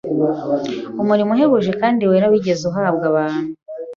Umurimo uhebuje kandi wera wigeze uhabwa abantu